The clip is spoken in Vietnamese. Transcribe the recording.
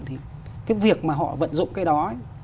thì cái việc mà họ vận dụng cái đó